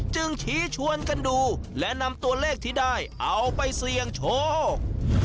จึงชี้ชวนกันดูและนำตัวเลขที่ได้เอาไปเสี่ยงโชค